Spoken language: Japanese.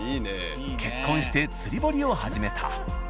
結婚して釣り堀を始めた。